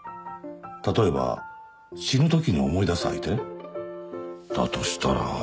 例えば死ぬときに思い出す相手？だとしたら。